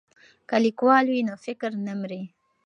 که لیکوال وي نو فکر نه مري.